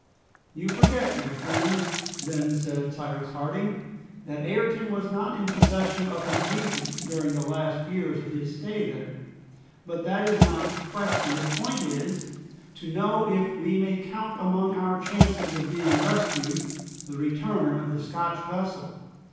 "You forget, my friends," then said Cyrus Harding, "that Ayrton was not in possession of his reason during the last years of his stay there. But that is not the question. The point is to know if we may count among our chances of being rescued, the return of the Scotch vessel.